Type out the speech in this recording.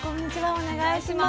お願いします。